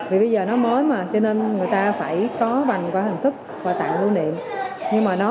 vì bây giờ nó mới mà cho nên người ta phải có bằng cả hình thức quà tặng lưu niệm nhưng mà nó